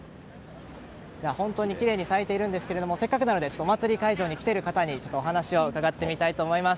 本当にきれいに咲いているんですがせっかくなのでお祭り会場に来ている方にお話を伺ってみたいと思います。